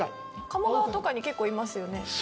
鴨川とかに結構いますよね。